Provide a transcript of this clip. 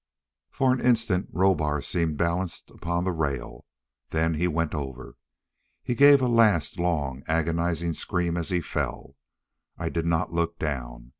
For an instant Rohbar seemed balanced upon the rail; then he went over. He gave a last long, agonized scream as he fell. I did not look down.